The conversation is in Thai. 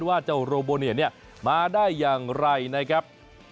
ว่าเจ้าโรโบเนียเนี่ยมาได้อย่างไรนะครับ